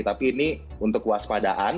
tapi ini untuk waspadaan